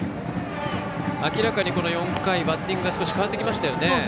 明らかに、この４回バッティングが変わってきましたよね。